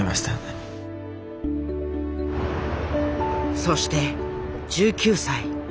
そして１９歳。